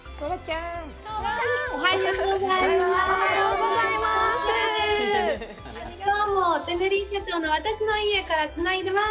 おはようございます。